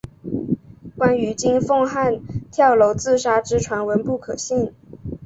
关于金凤汉跳楼自杀之传闻不可信。